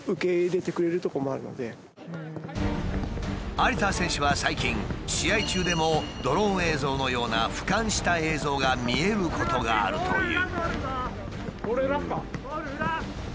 有田選手は最近試合中でもドローン映像のような俯瞰した映像が見えることがあるという。